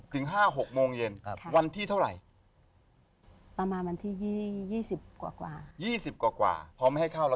ถึง๕๖โมงเย็นวันท์ที่เท่าไหร่